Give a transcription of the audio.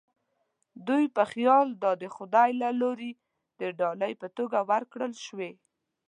دوی په خیال دا د خدای له لوري د ډالۍ په توګه ورکړل شوې.